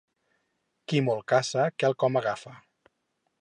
Qui molt caça quelcom agafa.